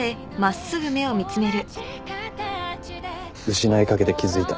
失いかけて気付いた。